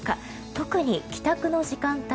特に帰宅の時間帯